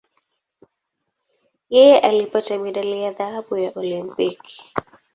Yeye alipata medali ya dhahabu ya Olimpiki.